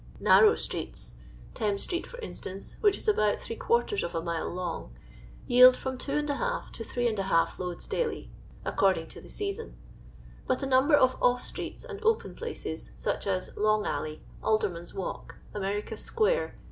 Narrow streets — Thames street for instance, which is about three quarters of a mile long— yield from 2.^ to 8.^ loads daily, according to the season ; but a number of off streets and open places, such as Long alley, Alderman's walk, America square.